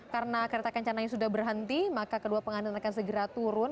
karena kereta kencana sudah berhenti maka kedua pengantin akan segera turun